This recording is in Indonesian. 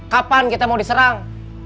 kapan kita mau diserang